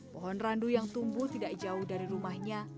pohon randu yang tumbuh tidak jauh dari rumahnya